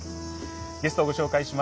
ゲストご紹介します。